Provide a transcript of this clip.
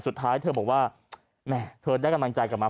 สุดท้ายเธอบอกว่าแหมเธอได้กำลังใจกลับมา